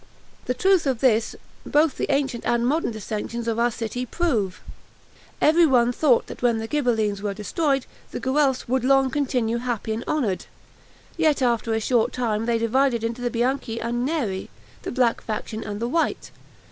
The truth of this, both the ancient and modern dissensions of our city prove. Everyone thought that when the Ghibellines were destroyed, the Guelphs would long continue happy and honored; yet after a short time they divided into the Bianchi and Neri, the black faction and the white.